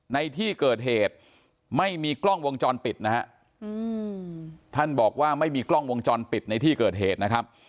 ในที่เกิดเหตุไม่มีกล้องวงจรปิดนะฮะท่านบอกว่าไม่มีกล้องวงจรปิดในที่เกิดเหตุนะครับ